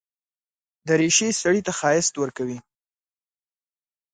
دریشي سړي ته ښايست ورکوي.